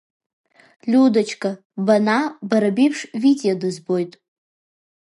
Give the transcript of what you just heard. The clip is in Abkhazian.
Лиудачка, банаа, бара беиԥш Витиа дызбот…